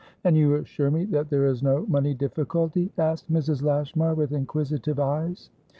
"And you assure me that there is no money difficulty?" asked Mrs. Lashmar, with inquisitive eyes.